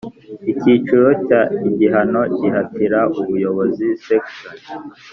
Icyiciro cya Igihano gihatira ubuyobozi Section